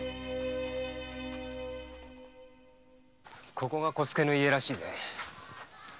ここが小助の家らしいぜ。